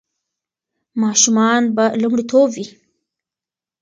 ماشومان به لومړیتوب وي.